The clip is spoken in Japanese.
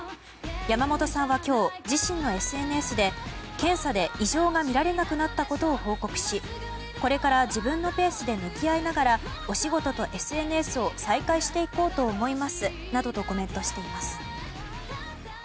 山本さんは今日、自身のＳＮＳで検査で異常が見られなくなったことを報告しこれから自分のペースで向き合いながらお仕事とＳＮＳを再開していこうと思いますなどとコメントしています。